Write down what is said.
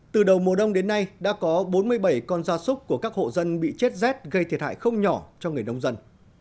từ đầu mùa đông đến nay đã có bốn mươi bảy con da súc của các hộ dân bị chết rét gây thiệt hại không nhỏ cho người nông dân